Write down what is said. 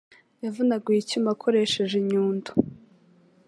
Yavunaguye icyuma akoresheje inyundo.